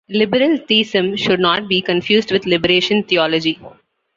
Liberal theism should not be confused with Liberation Theology.